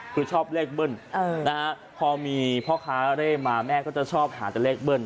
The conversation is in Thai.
คือชอบเลขเบิ้ลพอมีพ่อค้าเร่มาแม่ก็จะชอบหาแต่เลขเบิ้ล